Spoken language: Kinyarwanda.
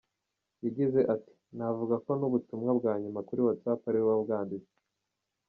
Yagize ati “Navuga ko n’ubutumwa bwa nyuma kuri WhatsApp ariwe wabwanditse.